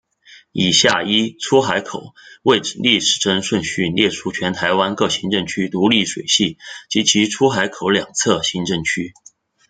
以下依出海口位置逆时针顺序列出全台湾各行政区独立水系及其出海口两侧行政区。